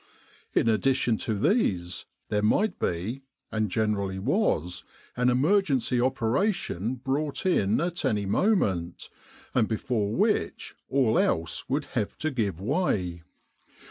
In addition to these, there might be, and generally was, an emergency operation brought in at any moment, and before which all else would have to give way.